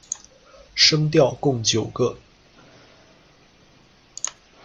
声调共九个。